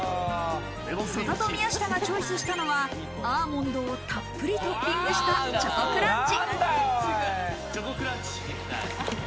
曽田と宮下がチョイスしたのは、アーモンドをたっぷりトッピングしたチョコクランチ。